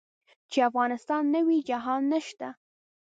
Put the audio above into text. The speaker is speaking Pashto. چې افغانستان نه وي جهان نشته.